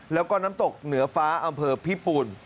แล้วก็น้ำตกเหนือฟ้าอำเภอพิปูน